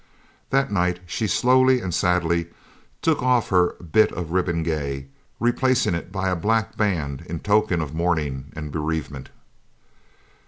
That night she slowly and sadly took off her 'bit of ribbon gay,' replacing it by a black band in token of mourning and bereavement.